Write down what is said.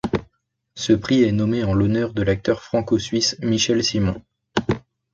Ce prix est nommé en l'honneur de l'acteur franco-suisse Michel Simon.